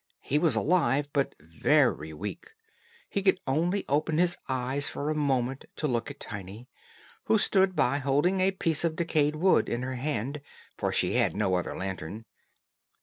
He was alive but very weak; he could only open his eyes for a moment to look at Tiny, who stood by holding a piece of decayed wood in her hand, for she had no other lantern.